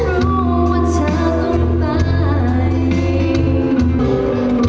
รู้ฉันรู้ว่าเธอต้องการ